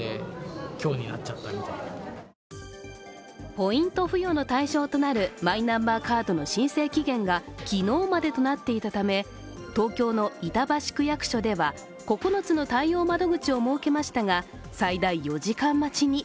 ポイント付与の対象となるマイナンバーカードの申請期限が昨日までとなっていたため東京の板橋区役所では９つの対応窓口を設けましたが、最大４時間待ちに。